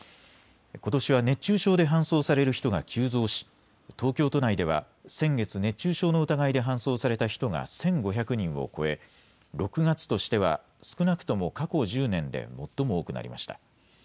ことしは熱中症で搬送される人が急増し東京都内では先月、熱中症の疑いで搬送された人が１５００人を超え６月としては少なくとも過去１０年で最も多くなりました。